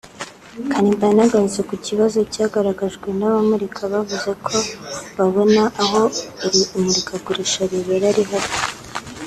Kanimba yanagarutse ku kibazo cyagaragajwe n’abamurika bavuze ko babona aho iri murikagurisha ribera ari hato